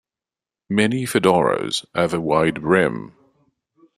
Many fedoras have a wide brim.